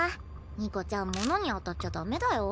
ニコちゃん物に当たっちゃ駄目だよ。